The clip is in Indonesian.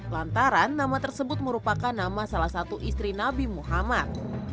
lantaran nama tersebut merupakan nama salah satu istri nabi muhammad